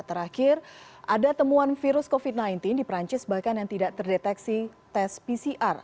terakhir ada temuan virus covid sembilan belas di perancis bahkan yang tidak terdeteksi tes pcr